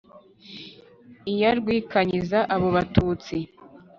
Iya rwikanyiza abo Batutsi,